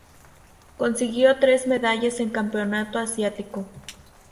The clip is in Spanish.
Consiguió tres medallas en campeonato asiático.